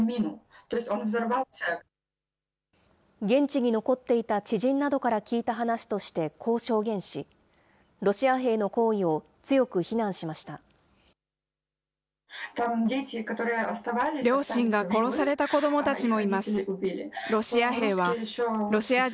現地に残っていた知人などから聞いた話としてこう証言し、ロシア兵の行為を強く非難しました。